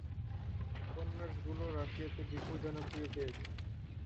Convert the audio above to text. উপন্যাসগুলো রাশিয়াতে বিপুল জনপ্রিয়তা পেয়েছে।